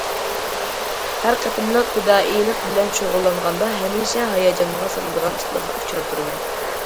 ھەر قېتىملىق پىدائىيلىق بىلەن شۇغۇللانغاندا، ھەمىشە ھاياجانغا سالىدىغان ئىشلارغا ئۇچراپ تۇرىمەن.